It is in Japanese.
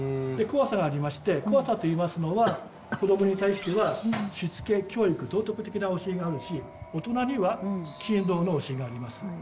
で怖さがありまして怖さといいますのは子供に対してはしつけ教育道徳的な教えがあるし大人には勤労の教えがあります。